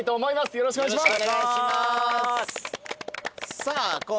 よろしくお願いします。